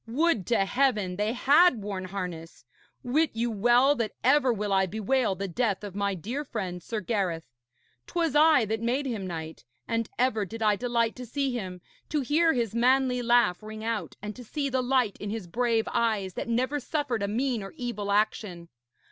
Would to Heaven they had worn harness! Wit you well that ever will I bewail the death of my dear friend, Sir Gareth. 'Twas I that made him knight, and ever did I delight to see him, to hear his manly laugh ring out, and to see the light in his brave eyes that never suffered a mean or evil action.